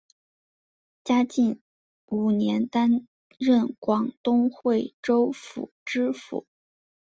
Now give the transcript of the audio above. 嘉靖五年担任广东惠州府知府。